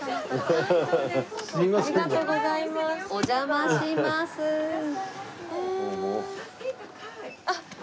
お邪魔します。